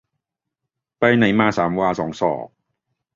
ไปไหนมา สามวาสองศอก